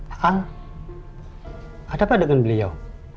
al ada apa dengan beliau